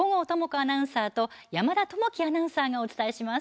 アナウンサーと山田朋生アナウンサーがお伝えします。